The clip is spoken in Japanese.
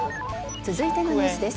続いてのニュースです。